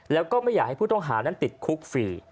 แล้วก็ไม่อยากให้ผู้ต้องหานั้นติดคุกฟรี